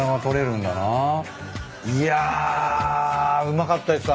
いやうまかったです。